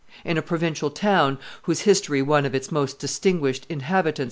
In a provincial town, whose history one of its most distinguished inhabitants, M.